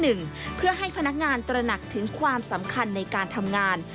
เพื่อให้พนักงานตระหนักถึงความสำคัญในการทำงาน